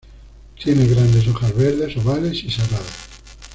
Tiene grandes hojas verdes, ovales y serradas.